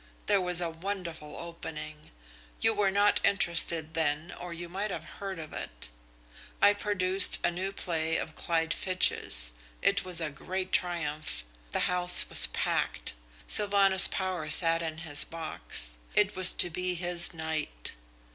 There was a wonderful opening. You were not interested then or you might have heard of it. I produced a new play of Clyde Fitch's. It was a great triumph. The house was packed. Sylvanus Power sat in his box. It was to be his night.